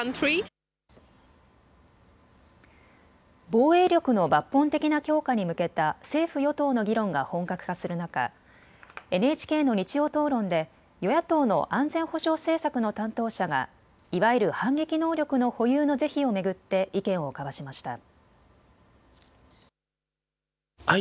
防衛力の抜本的な強化に向けた政府与党の議論が本格化する中、ＮＨＫの日曜討論で与野党の安全保障政策の担当者がいわゆる反撃能力の保有の是非を巡って意見を交わしました。